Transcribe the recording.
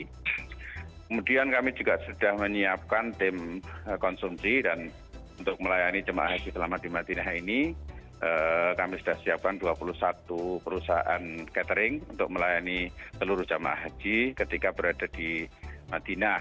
kemudian kami juga sudah menyiapkan tim konsumsi dan untuk melayani jemaah haji selamat di madinah ini kami sudah siapkan dua puluh satu perusahaan catering untuk melayani seluruh jemaah haji ketika berada di madinah